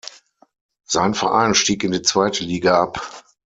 Sein Verein stieg in die zweite Liga ab.